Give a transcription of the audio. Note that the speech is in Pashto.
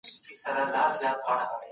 د لويي جرګې مشر چېرته کښیني؟